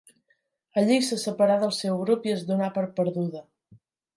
Allí se separà del seu grup i es donà per perduda.